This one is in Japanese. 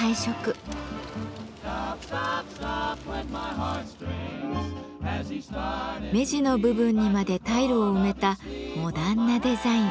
目地の部分にまでタイルを埋めたモダンなデザイン。